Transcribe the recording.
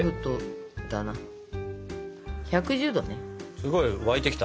すごい沸いてきた。